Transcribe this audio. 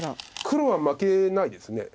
黒は負けないです。